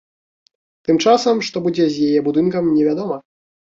Тым часам, што будзе з яе будынкам, невядома.